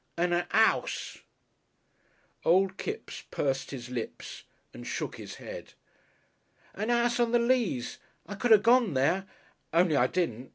And a 'ouse " Old Kipps pursed his lips and shook his head. "A 'ouse on the Leas. I could have gone there. Only I didn't.